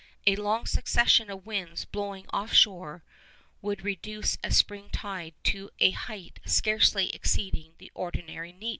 A long succession of winds blowing off shore would reduce a spring tide to a height scarcely exceeding the ordinary neap.